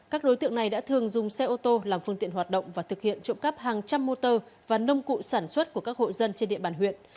các đối tượng này đã thường dùng xe ô tô làm phương tiện hoạt động và thực hiện trộm cắp hàng trăm motor và nông cụ sản xuất của các hộ dân trên địa bàn huyện